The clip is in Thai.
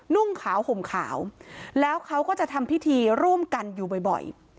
นุ่งขาวห่มขาวแล้วเขาก็จะทำพิธีร่วมกันอยู่บ่อย